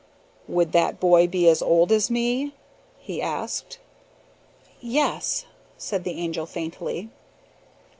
"Would that boy be as old as me?" he asked. "Yes," said the Angel faintly.